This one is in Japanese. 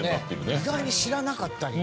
意外に知らなかったり。